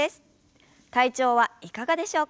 体調はいかがでしょうか？